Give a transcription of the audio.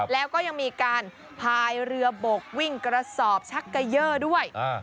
แล้วก็ยังมีการพายเรือบกวิ่งกระสอบชักเกยอร์ด้วย